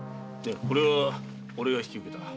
これは俺が引き受けた。